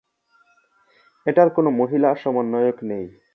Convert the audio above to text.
এটার কোন মহিলা সমন্বয়ক নেই।